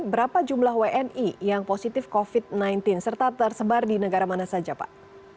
berapa jumlah wni yang positif covid sembilan belas serta tersebar di negara mana saja pak